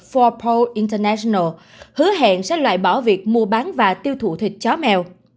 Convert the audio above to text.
bốn pol international hứa hẹn sẽ loại bỏ việc mua bán và tiêu thụ thịt chó mèo